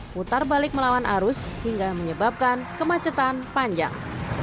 putar balik melawan arus hingga menyebabkan kemacetan panjang